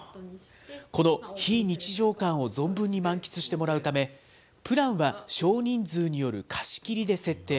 この非日常感を存分に満喫してもらうため、プランは少人数による貸し切りで設定。